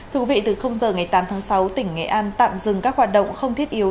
thú vị từ h ngày tám tháng sáu tỉnh nghệ an tạm dừng các hoạt động không thiết yếu